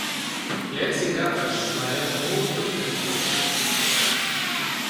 ¡ leer sin gafas! ¡ marea mucho mucho mucho !